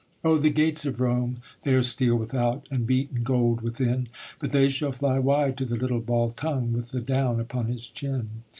Oh the gates of Rome they are steel without, And beaten gold within: But they shall fly wide to the little Baltung With the down upon his chin.